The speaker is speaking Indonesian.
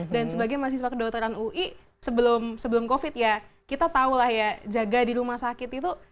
dan sebagai mahasiswa kedokteran ui sebelum sebelum covid ya kita tahu lah ya jaga di rumah sakit itu